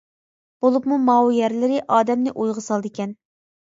بولۇپمۇ ماۋۇ يەرلىرى ئادىمنى ئويغا سالىدىكەن.